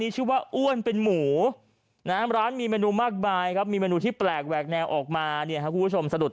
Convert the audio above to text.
ชอบซีฟู้ดอะมีกล้างด้วยมีปลาหมึกด้วย